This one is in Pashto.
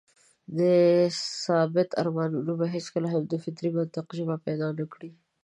د ثبات ارمانونه به هېڅکله هم د فطري منطق ژبه پيدا نه کړي.